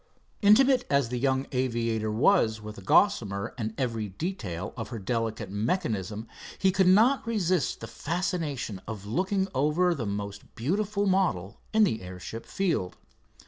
Intimate as the young aviator was with the Gossamer and every detail of her delicate mechanism, he could not resist the fascination of looking over the most beautiful model in the airship field.